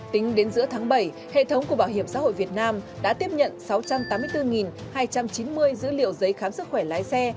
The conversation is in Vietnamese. tính đến giữa tháng bảy hệ thống của bảo hiểm xã hội việt nam đã tiếp nhận sáu trăm tám mươi bốn hai trăm chín mươi dữ liệu giấy khám sức khỏe lái xe